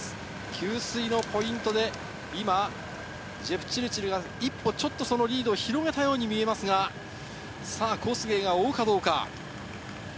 給水のポイントで今、ジェプチルチルが一歩ちょっとそのリードを広げたように見えますが、コスゲイが追うかどうか。